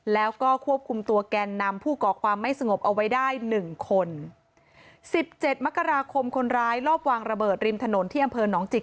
แล้วก็ควบคุมตัวแกนนำผู้ก่อความไม่สงบเอาไว้ได้หนึ่งคนสิบเจ็ดมกราคมคนร้ายรอบวางระเบิดริมถนนที่อำเภอหนองจิก